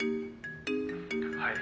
はい。